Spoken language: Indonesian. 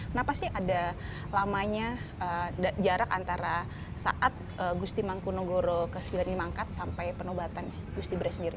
kenapa sih ada lamanya jarak antara saat gusti mangkunegoro ke sembilan ini mangkat sampai penobatan gusti bra sendiri